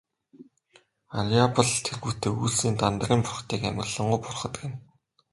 Арьяабал тэргүүтэн үйлсийн Дандарын бурхдыг амарлингуй бурхад гэнэ.